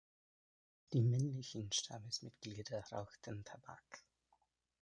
Die männlichen Stammesmitglieder rauchten Tabak.